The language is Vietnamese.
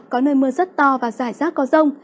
có nơi mưa rất to và rải rác có rông